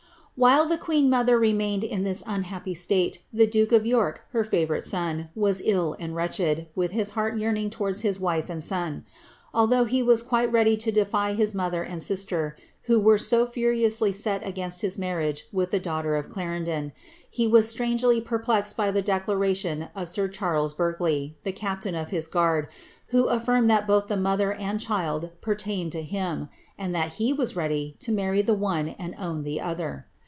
While the queen mother remained in this unhappy state^ the duke of York, her favourite son, was ill and wretched, with his heart yearning towards his wife and son. Although he was quite ready to defy his mother and sister, who were so furiously set against his marriage with the daughter of Clarendon, he was strangely perplexed by the declara tion of sir Charles Berkeley, the capUiin of his guard, who affirmed that both the mother and child pertained to him, and that he was ready to marry the one and own the other.